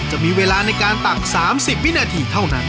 จะมีเวลาในการตัก๓๐วินาทีเท่านั้น